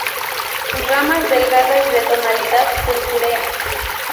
Ramas delgadas de tonalidad purpúrea.